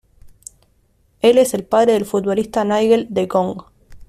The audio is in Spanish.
Él es el padre del futbolista Nigel de Jong.